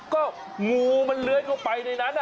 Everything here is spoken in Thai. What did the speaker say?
ก็งูมันเลื้อยเข้าไปในนั้น